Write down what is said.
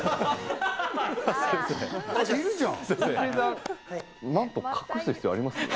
いるじゃん！